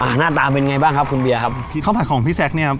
หน้าตาเป็นไงบ้างครับคุณเบียร์ครับคือข้าวผัดของพี่แซคเนี่ยครับ